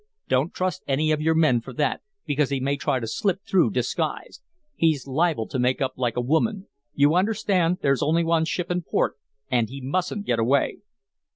Don't trust any of your men for that, because he may try to slip through disguised. He's liable to make up like a woman. You understand there's only one ship in port, and he mustn't get away."